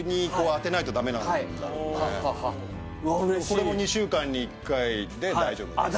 これも２週間に１回で大丈夫あっ